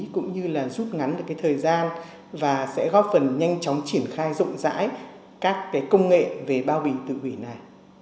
cũng như là rút ngắn được cái thời gian và sẽ góp phần nhanh chóng triển khai rộng rãi các công nghệ về bao bì tự hủy này